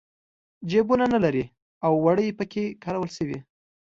جېبونه نه لري او وړۍ پکې کارول شوي.